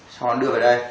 xong nó đưa về đây